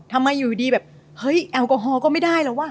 ทำไมอยู่ดีแบบเฮ้ยแอลกอฮอลก็ไม่ได้แล้วว่